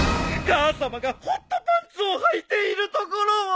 母さまがホットパンツをはいているところを！